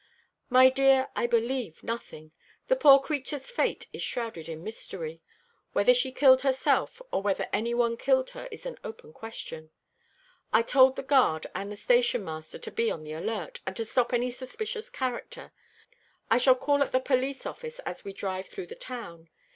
"My dear, I believe nothing. The poor creature's fate is shrouded in mystery. Whether she killed herself or whether any one killed her is an open question. I told the guard and the station master to be on the alert, and to stop any suspicious character. I shall call at the police office as we drive through the town.